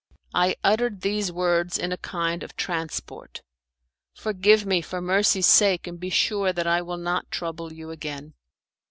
I uttered these words in a kind of transport. "Forgive me, for mercy's sake! and be sure that I will not trouble you again."